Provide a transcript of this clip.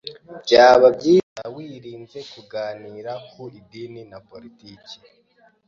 Byaba byiza wirinze kuganira ku idini na politiki.